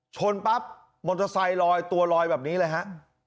ชนปั๊บมอเตอร์ไซค์ลอยตัวลอยแบบนี้เลยฮะ